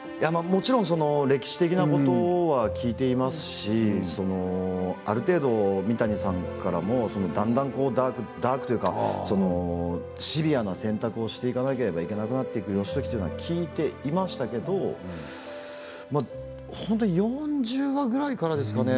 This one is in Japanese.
もちろん歴史的なことは聞いていますしある程度、三谷さんからもだんだんダークダークというかシビアな選択をしていかなければいけない義時というのは聞いていましたけれど本当に４０話ぐらいからですかね